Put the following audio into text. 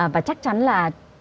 và chắc chắn là